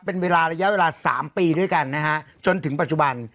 เป็นเวลาระยะเวลา๓ปีด้วยกันนะฮะจนถึงปัจจุบัน